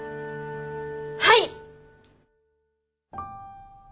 はい！